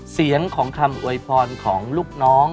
เสียงของคำอวยพรของลูกน้อง